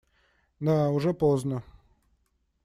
Да, уже поздно.